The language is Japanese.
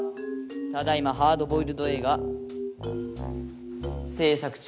ただいまハードボイルド映画せいさく中。